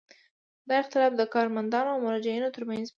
دا اختلاف د کارمندانو او مراجعینو ترمنځ وي.